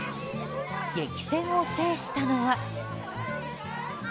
激戦を制したのは。